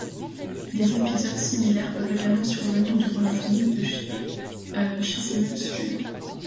Des épisodes similaires peuvent également survenir durant la journée chez ces mêmes sujets.